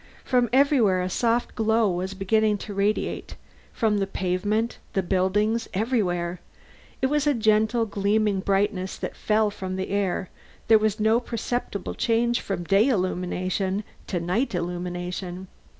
From everywhere a soft glow was beginning to radiate from the pavement, the buildings, everywhere. It was a gentle gleaming brightness that fell from the air; there was no perceptible change from day illumination to night illumination.